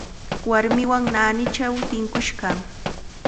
Warmiwan naanichaw tinkush kaa.